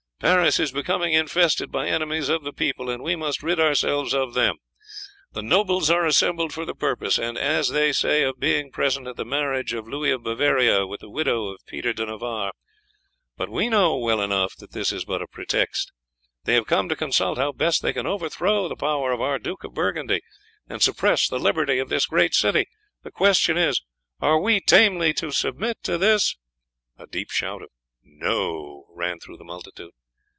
Paris is becoming infested by enemies of the people, and we must rid ourselves of them. The nobles are assembled for the purpose, as they say, of being present at the marriage of Louis of Bavaria with the widow of Peter de Navarre, but we know well enough that this is but a pretext; they have come to consult how best they can overthrow the power of our Duke of Burgundy and suppress the liberty of this great city. The question is, are we tamely to submit to this?" A deep shout of "No!" ran through the multitude.